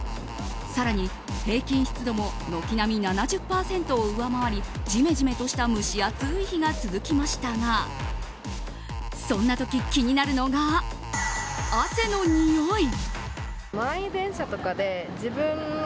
更に、平均湿度も軒並み７０％を上回りじめじめとした蒸し暑い日が続きましたがそんな時、気になるのが汗のにおい。